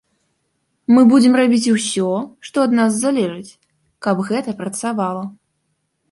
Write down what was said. Мы будзем рабіць усё, што ад нас залежыць, каб гэта працавала.